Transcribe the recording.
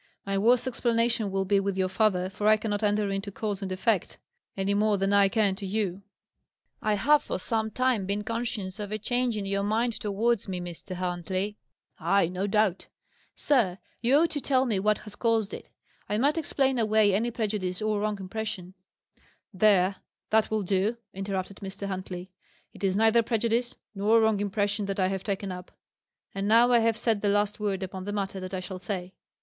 My worst explanation will be with your father, for I cannot enter into cause and effect, any more than I can to you." "I have for some little time been conscious of a change in your manner towards me, Mr. Huntley." "Ay no doubt." "Sir, you ought to tell me what has caused it. I might explain away any prejudice or wrong impression " "There, that will do," interrupted Mr. Huntley. "It is neither prejudice nor wrong impression that I have taken up. And now I have said the last word upon the matter that I shall say."